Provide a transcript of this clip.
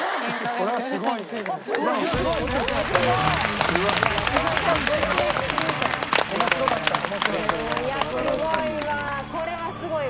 これはすごいわ！